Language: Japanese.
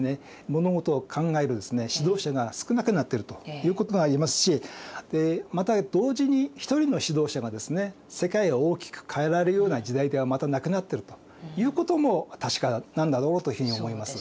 物事を考える指導者が少なくなってるということが言えますしまた同時に一人の指導者がですね世界を大きく変えられるような時代ではまたなくなってるということも確かなんだろうというふうに思います。